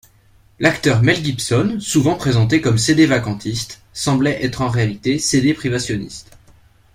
L'acteur Mel Gibson, souvent présenté comme sédévacantiste, semblerait être en réalité sédéprivationniste.